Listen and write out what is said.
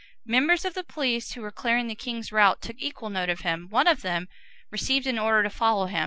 Members of the police, who were clearing the king's route, took equal note of him: one of them received an order to follow him.